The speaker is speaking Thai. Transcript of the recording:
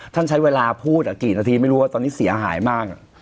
ใช้เวลาพูดกี่นาทีไม่รู้ว่าตอนนี้เสียหายมาก